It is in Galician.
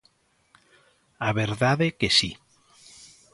A verdade que si.